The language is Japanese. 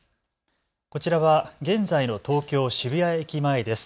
こちらは現在の東京渋谷駅前です。